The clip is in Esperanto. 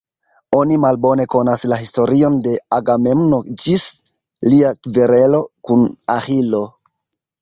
Oni malbone konas la historion de Agamemno ĝis lia kverelo kun Aĥilo.